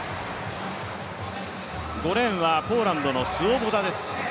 ５レーンはポーランドのスウォボダです。